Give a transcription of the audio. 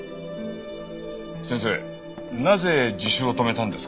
先生なぜ自首を止めたんですか？